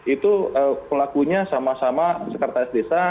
itu pelakunya sama sama sekretaris desa